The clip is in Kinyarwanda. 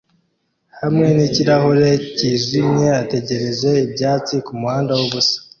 hamwe nikirahure cyijimye ategereza ibyatsi kumuhanda wubusa